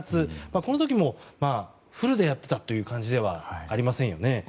この時もフルでやってたという感じではありませんよね。